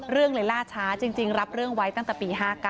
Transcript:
เรื่องเลยล่าช้าจริงรับเรื่องไว้ตั้งแต่ปี๕๙